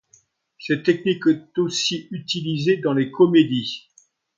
Cette technique est aussi utilisée dans les comédies.